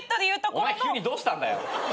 お前急にどうしたんだよ！？